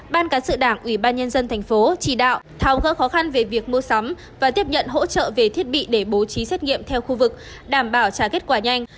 ban cán sự đảng ủy ban nhân dân thành phố chỉ đạo thao gỡ khó khăn về việc mua sắm và tiếp nhận hỗ trợ về thiết bị để bố trí xét nghiệm theo khu vực đảm bảo trả kết quả nhanh